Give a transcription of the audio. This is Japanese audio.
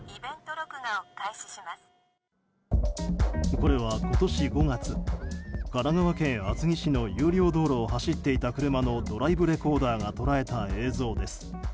これは今年５月神奈川県厚木市の有料道路を走っていた車のドライブレコーダーが捉えた映像です。